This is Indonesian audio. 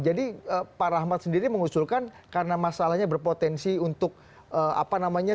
jadi pak rahmat sendiri mengusulkan karena masalahnya berpotensi untuk apa namanya